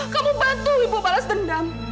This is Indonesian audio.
kamu bantu ibu balas dendam